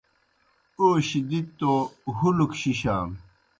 اوشیْ دِتیْ توْ ہُلَک شِشانوْ۔